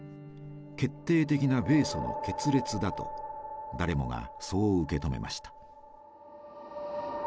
決定的な米ソの決裂だと誰もがそう受け止めました。